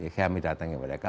kami datangin mereka